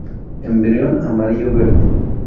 Embrión amarillo-verde.